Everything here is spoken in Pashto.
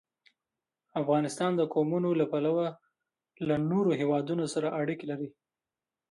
افغانستان د قومونه له پلوه له نورو هېوادونو سره اړیکې لري.